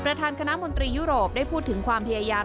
คณะมนตรียุโรปได้พูดถึงความพยายาม